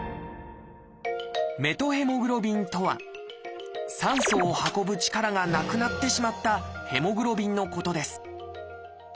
「メトヘモグロビン」とは酸素を運ぶ力がなくなってしまったヘモグロビンのことです。